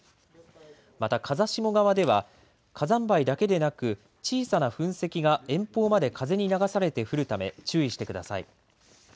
また風下側では、火山灰だけでなく小さな噴石が遠方まで風に流されて降るため、注意してください。